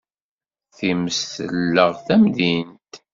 Times telleɣ tamdint.